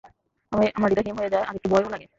আমার হৃদয় হিম হয়ে যায় আর একটু ভয়ও লাগে।